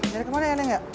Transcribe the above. dari kemana ya neng ya